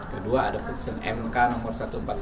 kedua ada putusan mk nomor satu ratus empat puluh satu